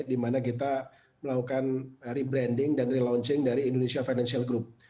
dimana kita melakukan rebranding dan relaunching dari indonesia financial group